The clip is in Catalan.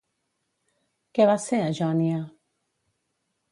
Què va ser a Jònia?